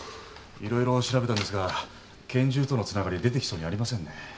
色々調べたんですが拳銃とのつながり出てきそうにありませんね。